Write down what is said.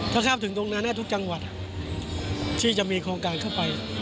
ถ้าเข้าถึงตรงนั้นทุกจังหวัดที่จะมีโครงการเข้าไป